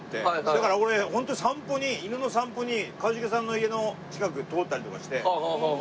だから俺ホントに犬の散歩に一茂さんの家の近く通ったりとかして。